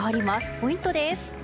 ポイントです。